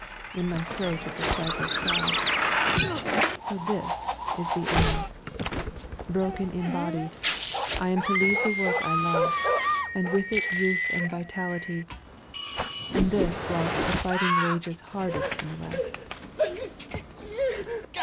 In my throat is a stifled sob. So this is the end. Broken in body, I am to leave the work I love, and with it youth and vitality and this whilst the fighting wages hardest in the West.